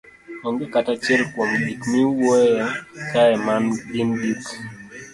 Onge kata achiel kuom gik miwuoyoe kae ma gin gik